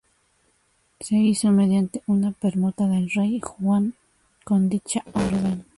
Se hizo mediante una permuta del rey Juan con dicha Orden.